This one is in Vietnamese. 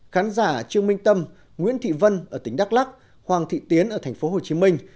khán giả trương minh tâm nguyễn thị vân ở tỉnh đắk lắc hoàng thị tiến ở thành phố hồ chí minh